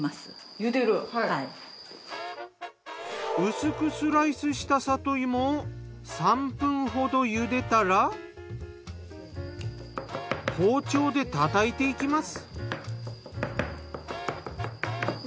薄くスライスした里芋を３分ほどゆでたら包丁でたたいていきます。